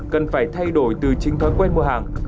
cần phải thay đổi từ chính thói quen mua hàng